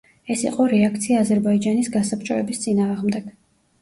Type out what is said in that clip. ეს იყო რეაქცია აზერბაიჯანის გასაბჭოების წინააღმდეგ.